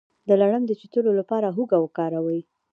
د لړم د چیچلو لپاره هوږه وکاروئ